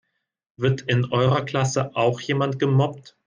Wird in eurer Klasse auch jemand gemobbt?